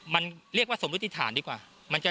มันเรียกว่าสมรุติฐานดีกว่า